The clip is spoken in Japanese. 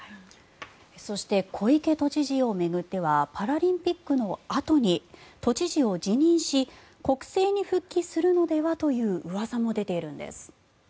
そして小池都知事を巡ってはパラリンピックのあとに都知事を辞任し国政に復帰するのではといううわさも出ているんです。